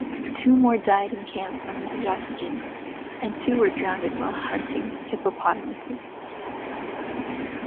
Two more died in camp from exhaustion, and two were drowned while hunting hippopotamuses.